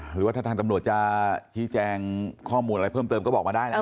หรือว่าถ้าทางตำรวจจะชี้แจงข้อมูลอะไรเพิ่มเติมก็บอกมาได้นะ